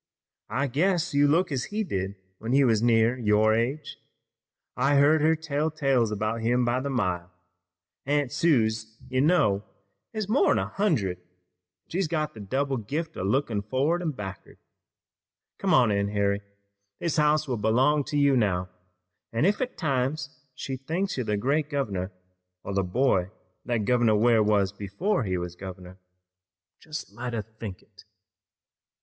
I guess you look as he did when he was near your age. I've heard her tell tales about him by the mile. Aunt Suse, you know, is more'n a hundred, an' she's got the double gift o' lookin' forrard an' back'ard. Come on in, Harry, this house will belong to you now, an' ef at times she thinks you're the great governor, or the boy that Governor Ware was before he was governor, jest let her think it."